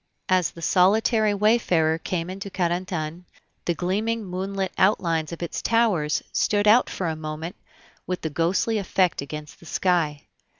As the solitary wayfarer came into Carentan, the gleaming moonlit outlines of its towers stood out for a moment with ghostly effect against the sky.